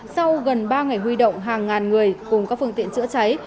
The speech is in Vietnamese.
sau gần ba ngày huy động hàng ngàn người cùng các phương tiện chữa cháy